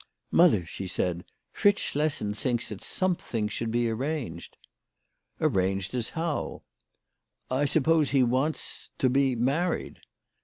" Mother," she said, " Fritz Schlessen thinks that something should be arranged." "Arranged as how ?" 11 1 suppose he wants to be married."